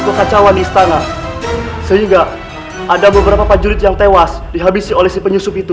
kekacauan di istana sehingga ada beberapa jurus yang tewas dihabisi oleh penyusup itu